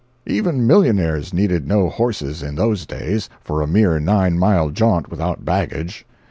Even millionaires needed no horses, in those days, for a mere nine mile jaunt without baggage.